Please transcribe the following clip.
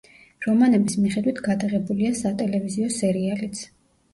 რომანების მიხედვით გადაღებულია სატელევიზიო სერიალიც.